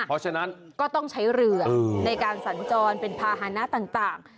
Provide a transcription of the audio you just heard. เพราะฉะนั้นก็ต้องใช้เรือในการสัญจรเป็นภาษณะต่าง